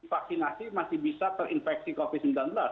vaksinasi masih bisa terinfeksi covid sembilan belas